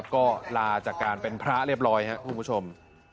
ก็ลาจากการเป็นพระเรียบร้อยครับคุณผู้ชม